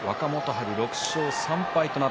春、６勝３敗です。